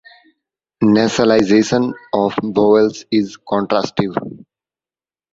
Nasalization of vowels is contrastive.